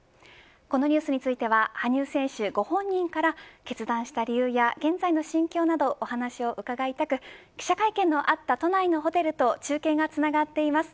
このニュースについては羽生選手ご本人から決断した理由や現在の心境などお話をお伺いしたく記者会見のあった都内のホテルと中継がつながっています。